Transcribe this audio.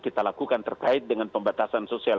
kita lakukan terkait dengan pembatasan sosial